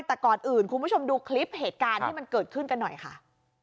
แต่ก่อนอื่นคุณผู้ชมดูคลิปเหตุการณ์ที่มันเกิดขึ้นกันหน่อยค่ะ